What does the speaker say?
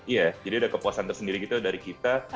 iya jadi udah kepuasan tersendiri gitu dari kita